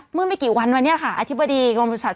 เมื่อไม่กี่วันไว้เนี่ยค่ะอธิบดีกรมประสุทธิ์